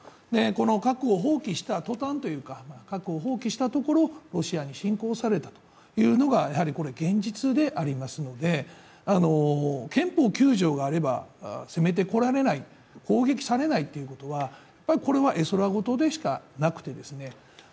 この核を放棄した途端というか、核を放棄したところロシアに侵攻されたというのが現実でありますので、憲法９条があれば攻めてこられない、攻撃されないということは、これは絵空事でしかなくてですね